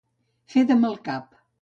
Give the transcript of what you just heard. Fer de mal cap.